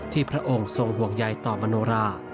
ที่พระองค์ทรงห่วงใหญ่ต่อบนอนรา